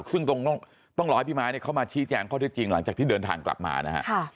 ซึ่งตรงตรงต้องรอให้พี่ม้าเนี่ยเข้ามาชี้แจ้งเข้าได้จริงหลังจากที่เดินทางกลับมานะฮะค่ะ